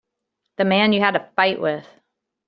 The man you had the fight with.